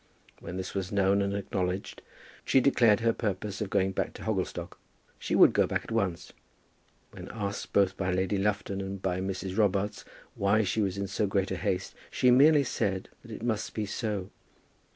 When this was known and acknowledged, she declared her purpose of going back to Hogglestock. She would go back at once. When asked both by Lady Lufton and by Mrs. Robarts why she was in so great a haste, she merely said that it must be so.